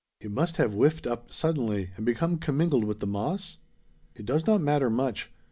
It must have whiffed up suddenly, and become commingled with the moss? It does not matter much.